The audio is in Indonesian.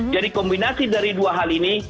jadi kombinasi dari dua hal ini